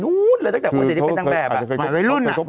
อื้อ